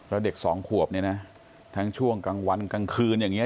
แล้วเด็กสองขวบเนี่ยนะทั้งช่วงกลางวันกลางคืนอย่างนี้